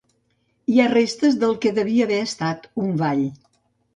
Hi ha restes del que devia haver estat un vall.